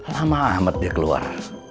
lama amat dia keluar